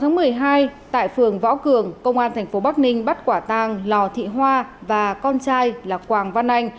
ngày một mươi sáu một mươi hai tại phường võ cường công an tp bắc ninh bắt quả tàng lò thị hoa và con trai là quảng văn anh